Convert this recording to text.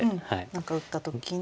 何か打った時に。